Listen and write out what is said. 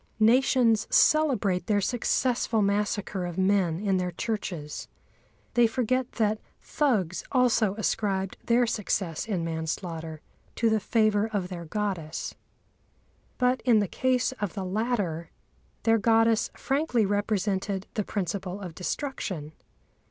Nations celebrate their successful massacre of men in their churches. They forget that Thugs also ascribed their success in manslaughter to the favour of their goddess. But in the case of the latter their goddess frankly represented the principle of destruction.